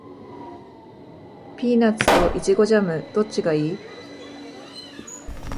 ピーナッツとイチゴジャム、どっちがいい？